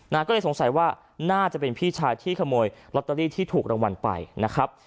ก็เลยสงสัยว่าน่าจะเป็นพี่ชายที่ขโมยลอตเตอรี่ที่ถูกรางวัลไปนะครับ